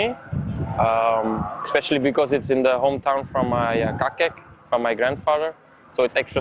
ya pastinya mau beri kemenangan untuk indonesia